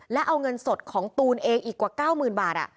และเอาเงินสดของตูนเองอีกกว่า๙๐๐๐บาท